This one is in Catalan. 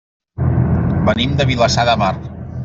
Venim de Vilassar de Mar.